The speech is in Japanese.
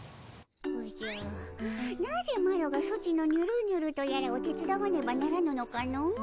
おじゃなぜマロがソチのニュルニュルとやらを手伝わねばならぬのかの。